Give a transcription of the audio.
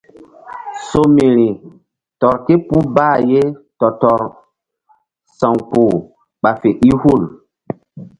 Somiri tɔr ke puh bah ye tɔ-tɔrsa̧wkpuh ɓa fe i hul.